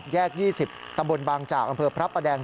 แยก๒๐ตำบลบางจากอำเภอพระประแดง